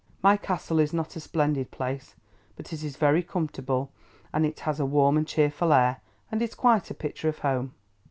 My Castle is not a splendid place, but it is very comfortable, and it has a warm and cheerful air, and is quite a picture of Home.